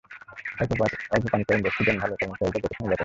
অল্প পান করেন, বকশিশ দেন ভালো, কর্মচারীদের যথাসময়ে বেতন দেয়।